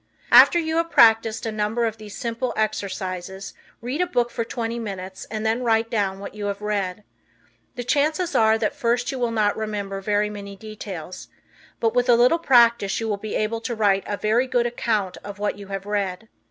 After you have practiced a number of these simple exercises read a book for twenty minutes and then write down what you have read. The chances are that at first you will not remember very many details, but with a little practice you will be able to write a very good account of what you have read.